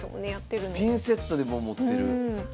ピンセットで持ってる。